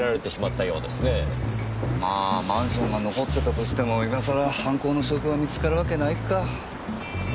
まぁマンションが残ってたとしても今さら犯行の証拠が見つかるわけないか。